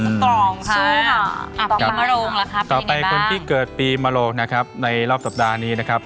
ต่อไปคนที่เกิดปีมโรงละครับไปยังไงบ้างต่อไปคนที่เกิดปีมโรงนะครับในรอบสัปดาห์นี้นะครับ